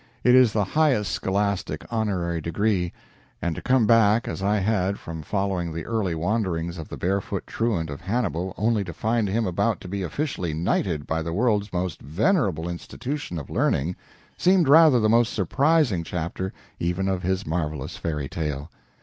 It is the highest scholastic honorary degree; and to come back, as I had, from following the early wanderings of the barefoot truant of Hannibal, only to find him about to be officially knighted by the world's most venerable institution of learning, seemed rather the most surprising chapter even of his marvelous fairy tale.